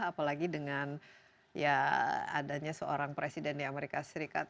apalagi dengan ya adanya seorang presiden di amerika serikat